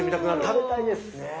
食べたいです。